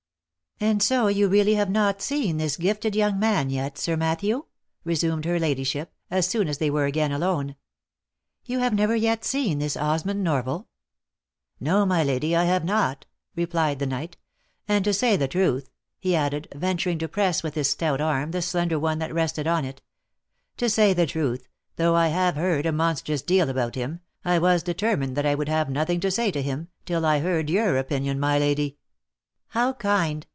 " And so you really have not seen this gifted young man yet, Sir Matthew V resumed her ladyship, as soon as they were again alone. " You have never yet seen this Osmund Norval?" " No, my lady, I have not," replied the knight; " and to say the truth," he added, venturing to press with his stout arm the slender one that rested on it, " to say the truth, though I have heard a monstrous deal about him, I was determined that I would have nothing to say to him, till I had heard your opinion, my lady." OF MICHAEL ARMSTRONG. 11 " How kind